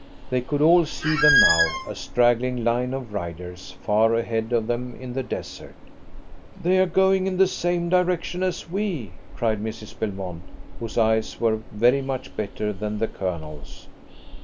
They could all see them now, a straggling line of riders far ahead of them in the desert. "They are going in the same direction as we," cried Mrs. Belmont, whose eyes were very much better than the Colonel's.